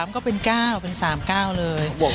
ก็เป็น๙เป็น๓๙เลย